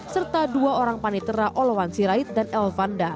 serta dua orang panitera olowan sirait dan elvanda